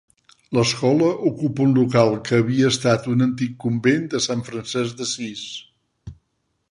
L'Escola ocupà un local que havia estat de l'antic Convent de Sant Francesc d'Assís.